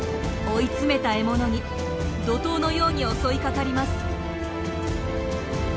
追い詰めた獲物に怒とうのように襲いかかります。